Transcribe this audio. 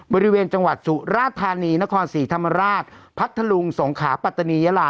บริเวณจังหวัดสุราธานีนครศรีธรรมราชพัทธลุงสงขาปัตตานียาลา